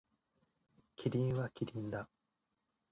キリンはキリンだ。